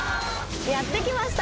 やって来ました！